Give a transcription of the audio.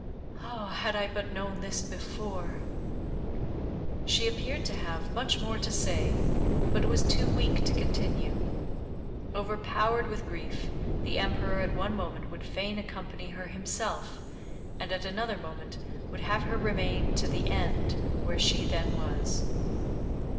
"Had I but known this before " She appeared to have much more to say, but was too weak to continue. Overpowered with grief, the Emperor at one moment would fain accompany her himself, and at another moment would have her remain to the end where she then was.